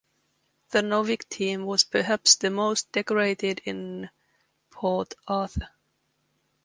The Novik team was perhaps the most decorated in Port Arthur.